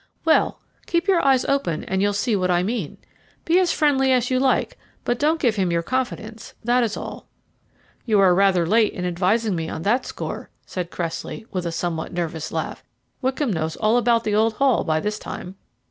"Well, keep your eyes open and you'll see what I mean. Be as friendly as you like, but don't give him your confidence that is all." "You are rather late in advising me on that score," said Cressley, with a somewhat nervous laugh. "Wickham knows all about the old Hall by this time."